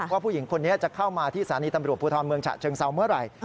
ผู้หญิงคนนี้จะเข้ามาที่สถานีตำรวจภูทรเมืองฉะเชิงเซาเมื่อไหร่